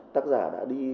tác giả đã đi